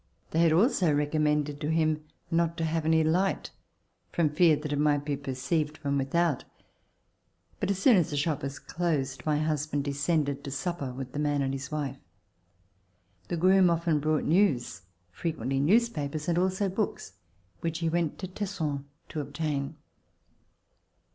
They had also recommended to him not to have any light from fear that it might be perceived from without, but, as soon as the shop was closed, my husband descended to supper with the man and his wife. The groom often brought news, frequently newspapers and also books which he went to Tesson to obtain.